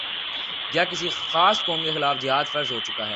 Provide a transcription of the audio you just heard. یا کسی خاص قوم کے خلاف جہاد فرض ہو چکا ہے